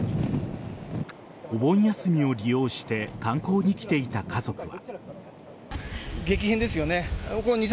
お盆休みを利用して観光に来ていた家族は。